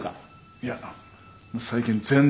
いや最近全然。